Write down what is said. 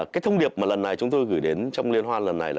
cái thông điệp mà lần này chúng tôi gửi đến trong liên hoan lần này là